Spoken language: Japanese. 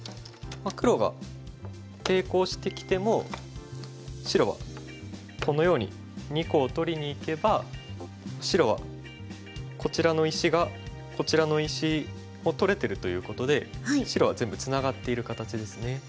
黒が抵抗してきても白はこのように２個を取りにいけば白はこちらの石がこちらの石を取れてるということで白は全部ツナがっている形ですね。